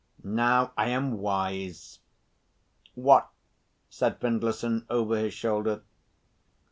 Now I am wise." "What?" said Findlayson, over his shoulder.